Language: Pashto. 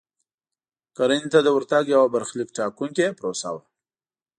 کرنې ته د ورتګ یوه برخلیک ټاکونکې پروسه وه.